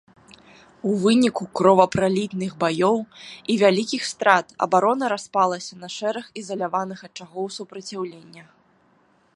У выніку кровапралітных баёў і вялікіх страт абарона распалася на шэраг ізаляваных ачагоў супраціўлення.